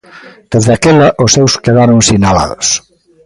Desde aquela, os seus quedaron sinalados.